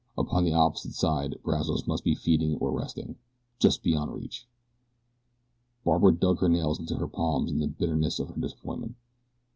Upon the opposite side Brazos must be feeding or resting, just beyond reach. Barbara dug her nails into her palms in the bitterness of her disappointment.